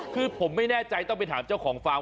คือผมไม่แน่ใจต้องไปถามเจ้าของฟาร์ม